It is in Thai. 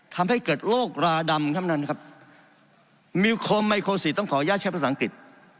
ทำให้เกิดโรคราดำเหมือนกันนะครับต้องขออนุญาตใช้ภาษาอังกฤษ